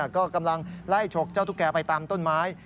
ก็กำลังไล่ฉกเจ้าตุ๊กแกไปตามต้นไม้